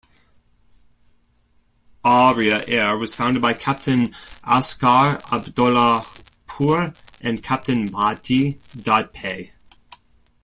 Aria Air was founded by Captain Asghar Abdollahpour and Captain Mahdi Dadpei.